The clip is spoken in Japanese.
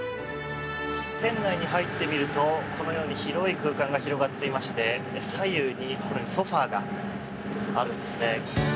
船内に入ってみるとこのように広い空間が広がっていまして左右にソファがあるんですね。